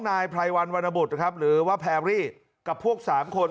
นายไพรวันวรรณบุตรนะครับหรือว่าแพรรี่กับพวกสามคน